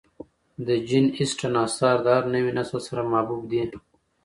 د جین اسټن آثار د هر نوي نسل سره محبوب دي.